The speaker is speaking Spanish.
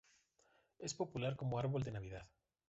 Es popular como árbol de Navidad.